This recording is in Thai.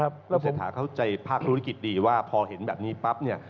คุณเศรษฐาเข้าใจภาคธุรกิจดีว่าพอเห็นแบบนี้ปั๊บเนี่ย